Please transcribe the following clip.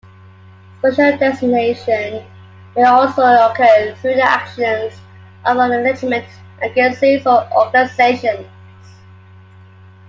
Special designation may also occur through the actions of other legitimate agencies or organizations.